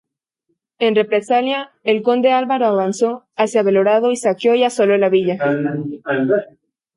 En represalia, el conde Álvaro avanzó hacia Belorado y saqueó y asoló la villa.